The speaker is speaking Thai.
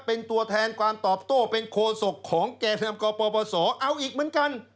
เป็นตัวแทนความตอบโต้เป็นโคศกของแก่นำกปปศเอาอีกเหมือนกัน